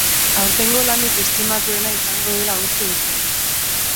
Aurtengo lanik estimatuena izango dela uste dugu.